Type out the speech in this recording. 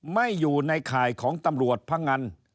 ไม่อยู่ในข่ายของตำรวจพงัน